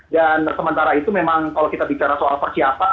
dan sementara itu memang kalau kita bicara soal persiapan